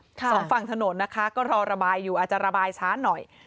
สองฝั่งถนนนะคะก็รอระบายอยู่อาจจะระบายช้าหน่อย